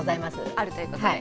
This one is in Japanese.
あるということで。